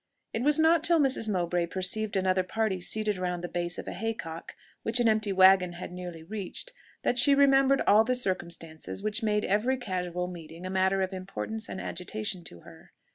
It was not till Mrs. Mowbray perceived another party seated round the base of a haycock which an empty waggon had nearly reached, that she remembered all the circumstances which made every casual meeting a matter of importance and agitation to her.